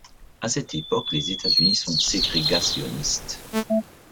À cette époque les États-Unis sont ségrégationnistes.